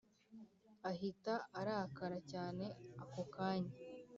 ahita arakara cyane ako kanya